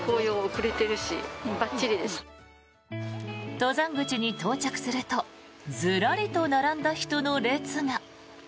登山口に到着するとずらりと並んだ人の列が。